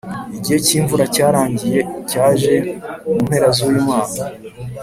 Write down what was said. igihe cyimvura cyarangiye cyaje mu mpera zuyu mwaka.